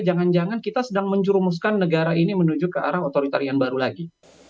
jangan jangan kita sedang menjurumuskan negara ini menuju ke arah otoritarian baru lagi